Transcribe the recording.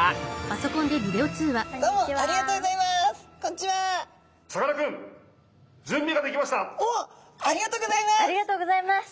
ありがとうございます！